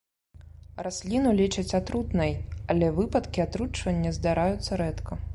Расліну лічаць атрутнай, але выпадкі атручвання здараюцца рэдка.